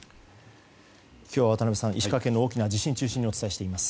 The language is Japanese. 今日は渡辺さん、石川県の大きな地震を中心にお伝えしています。